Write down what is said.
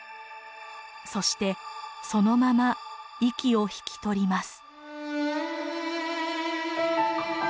そしてそのまま息を引き取ります。